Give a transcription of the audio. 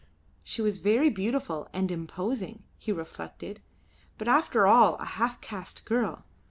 "She was very beautiful and imposing," he reflected, "but after all a half caste girl."